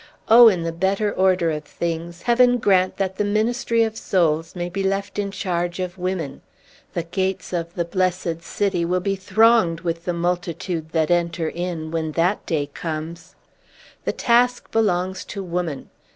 Oh, in the better order of things, Heaven grant that the ministry of souls may be left in charge of women! The gates of the Blessed City will be thronged with the multitude that enter in, when that day comes! The task belongs to woman.